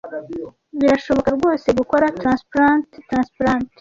Birashoboka rwose gukora transplant transplant?